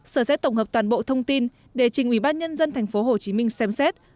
sở sẽ tổng hợp toàn bộ thông tin để trình ủy ban nhân dân thành phố hồ chí minh xem xét